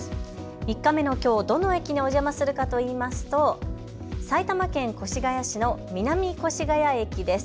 ３日目のきょう、どの駅にお邪魔するかといいますと埼玉県越谷市の南越谷駅です。